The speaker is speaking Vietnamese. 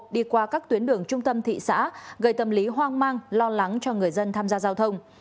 đi qua các tuyến đường trung tâm thị xã gây tâm lý hoang mang lo lắng cho người dân tham gia giao thông